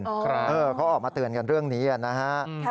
เขาออกมาเตือนกันเรื่องนี้นะฮะ